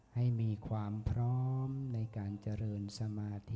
ให้มีความพร้อมในการเจริญสมาธิ